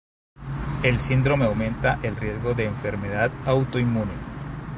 El síndrome aumenta el riesgo de enfermedad autoinmune.